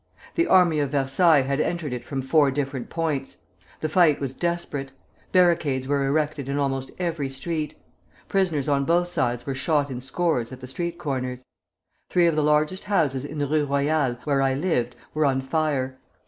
The army of Versailles had entered it from four different points. The fight was desperate. Barricades were erected in almost every street. Prisoners on both sides were shot in scores at the street corners. Three of the largest houses in the Rue Royale, where I lived, were on fire.